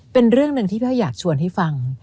เป็นเรื่องหนึ่งที่พี่อ้อยอยากชวนให้ฟัง